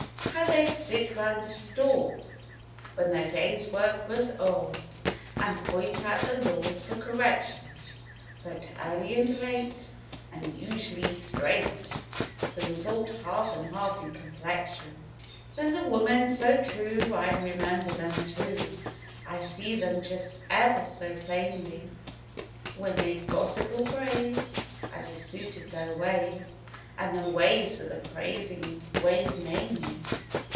How they'd sit 'round the store, when their day's work was o'er And point out the laws for correction— Vote early and late (and usu'ly straight) — The result, half and half in complexion. Then the women, so true, I remember them too; I see them just ever so plainly. When they'd gossip or praise (as it suited their ways) And their ways were the praising ways mainly.